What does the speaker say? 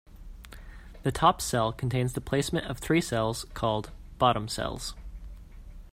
The top cell contains the placement of three cells called "bottom cells".